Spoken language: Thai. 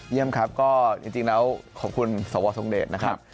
เยี่ยมครับก็จริงแล้วขอบคุณสวทรงเดชนะครับ